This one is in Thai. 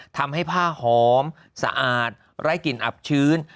ทำให้ผ้าหอมสะอาดไร้กลิ่นอับชื้น